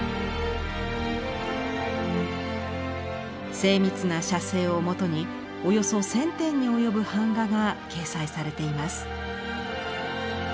精密な写生を元におよそ１，０００点に及ぶ版画が掲載されています。